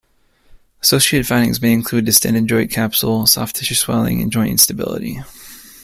Associated findings may include distended joint capsule, soft-tissue swelling, and joint instability.